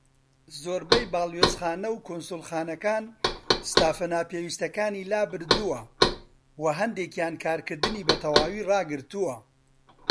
زۆربەی باڵوێزخانە و کونسوڵخانەکان ستافە ناپێوستیەکانی لابردووە، وە هەندێکیان کارکردنی بە تەواوی ڕاگرتووە.